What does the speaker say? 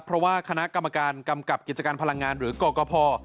เพราะว่าคณะกรรมการกำกับกิจการพลังงานหรือกรกภ